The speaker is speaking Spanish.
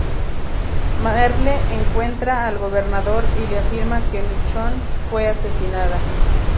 Merle encuentra al Gobernador y le afirma que Michonne fue asesinada.